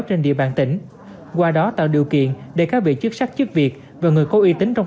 trên địa bàn tỉnh qua đó tạo điều kiện để các vị chức sát chức việc và người cố y tín trong